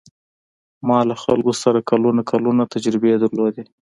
ما له خلکو سره کلونه کلونه تجربې درلودې.